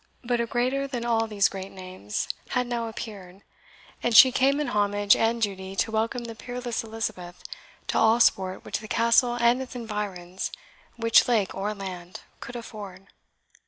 But a greater than all these great names had now appeared, and she came in homage and duty to welcome the peerless Elizabeth to all sport which the Castle and its environs, which lake or land, could afford.